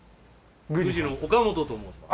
宮司の岡本と申します。